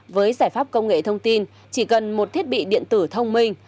với giải pháp công nghệ thông tin chỉ cần một thiết bị điện tử thông minh